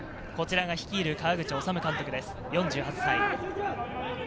こちらが率いる川口修監督です、４８歳。